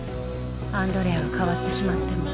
アンドレアは変わってしまったの。